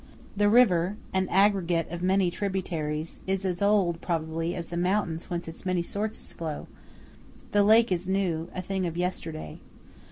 The river–an aggregate of many tributaries–is as old, probably, as the mountains whence its many sources flow; the lake is new–a thing of yesterday.